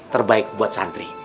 terbaik buat santri